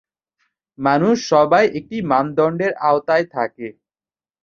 মানুষ সবাই একটি মানদণ্ডের আওতায় থাকে।